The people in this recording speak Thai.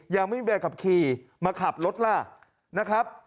ยังไม่มีใบขับขี่มาขับรถล่ะนะครับ